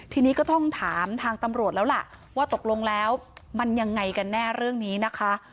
ทีนี้ก็ต้องถามทางตำรวจแล้วล่ะว่าตกลงแล้วมันยังไงกันแน่เรื่องนี้นะคะ